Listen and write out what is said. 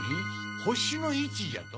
星の位置じゃと？